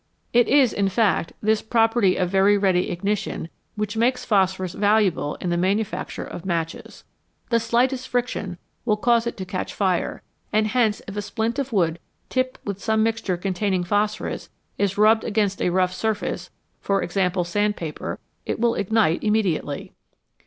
It is, in fact, this property of very ready ignition which makes phos phorus valuable in the manufacture of matches. The slightest friction will cause it to catch fire, and hence if a splint of wood tipped with some mixture containing phosphorus is rubbed against a rough surface for example, sand paper it will ignite immediately.